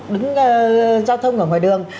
đứng giao thông ở ngoài đường